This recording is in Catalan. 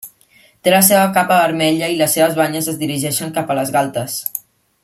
Té la seva capa vermella i les seves banyes es dirigeixen cap a les galtes.